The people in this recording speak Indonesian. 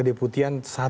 kedeputian setelah ini